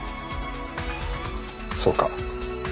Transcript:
そうか。